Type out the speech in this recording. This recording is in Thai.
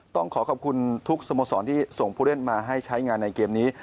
ต้องขอขอบคุณทุกสโมสรที่ส่งผู้เล่นมาให้ใช้งานในเกมนี้